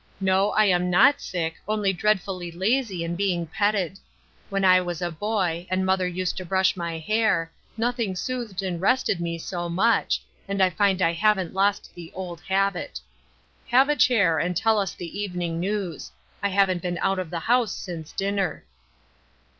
"No, I am not sick, only dreadfully lazy and being petted. When I was a boy, and mother used to brush my hair, nothing soothed and rested me so much, and I find I haven't lost the old habit. Have a chair, and tell us the evening news. I haven't been out of the house since dinner."